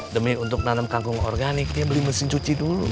demi untuk nanam kangkung organik dia beli mesin cuci dulu